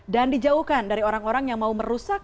dan dijauhkan dari orang orang yang mau merusak